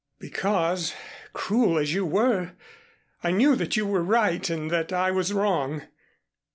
"Because, cruel as you were, I knew that you were right and that I was wrong.